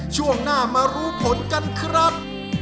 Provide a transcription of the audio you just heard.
ช่วงหน้ามารู้ผลกันครับ